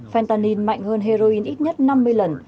fentanyl mạnh hơn heroin ít nhất năm mươi lần